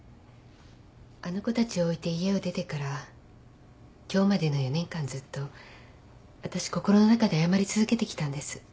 あの子たちを置いて家を出てから今日までの４年間ずっと私心の中で謝り続けてきたんです。